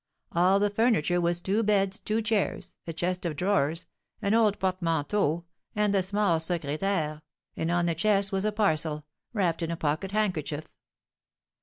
All the furniture was two beds, two chairs, a chest of drawers, an old portmanteau, and the small secrétaire, and on the chest was a parcel, wrapped in a pocket handkerchief.